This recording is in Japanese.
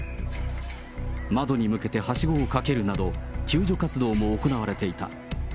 窓に向けてはしごをかけるなど、救助活動も行われていた。